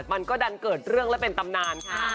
มันก็ดันเกิดเรื่องและเป็นตำนานค่ะ